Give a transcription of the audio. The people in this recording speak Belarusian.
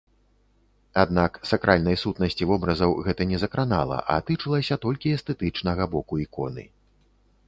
Аднак сакральнай сутнасці вобразаў гэта не закранала, а тычылася толькі эстэтычнага боку іконы.